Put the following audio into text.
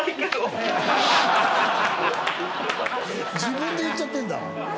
自分で言っちゃってんだ。